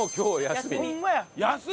休み！？